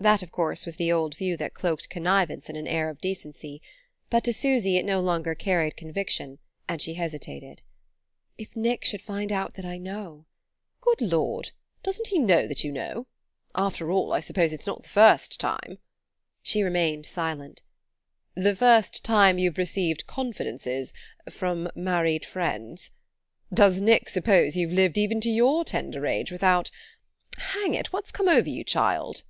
That, of course, was the old view that cloaked connivance in an air of decency. But to Susy it no longer carried conviction, and she hesitated. "If Nick should find out that I know...." "Good Lord doesn't he know that you know? After all, I suppose it's not the first time " She remained silent. "The first time you've received confidences from married friends. Does Nick suppose you've lived even to your tender age without... Hang it, what's come over you, child?"